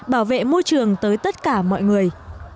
bảo vệ môi trường tới tất cả mọi người